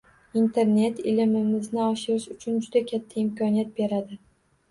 Internet ilmimizni oshirish uchun juda katta imkoniyat beradi